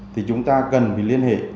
thì chúng ta cần phải liên hệ